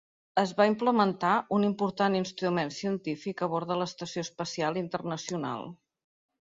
Es va implementar un important instrument científic a bord de l'Estació Espacial Internacional.